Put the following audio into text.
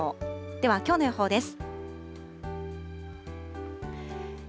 では、きょうの予報です。